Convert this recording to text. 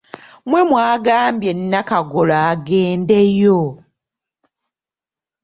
Mmwe mwagambye Nnakagolo agendeyo?